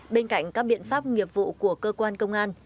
bên cạnh các biện pháp nghiệp vụ của cơ quan công an